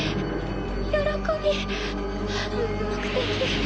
喜び目的。